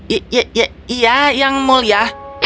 ya yang mulia